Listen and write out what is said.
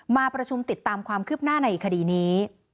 มาประชุมติดตามความคืบหน้าในคดีนี้